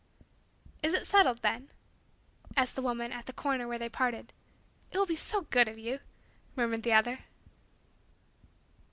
"It is settled then?" asked the woman, at the corner where they parted. "It will be so good of you," murmured the other.